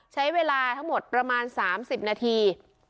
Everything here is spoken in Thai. ใช้เวลาทั้งหมดประมาณ๓๐นาที